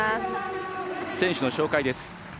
選手の紹介です。